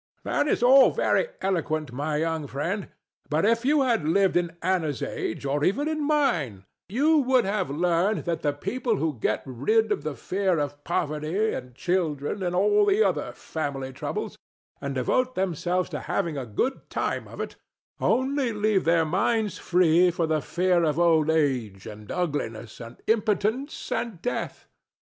THE STATUE. That is all very eloquent, my young friend; but if you had lived to Ana's age, or even to mine, you would have learned that the people who get rid of the fear of poverty and children and all the other family troubles, and devote themselves to having a good time of it, only leave their minds free for the fear of old age and ugliness and impotence and death.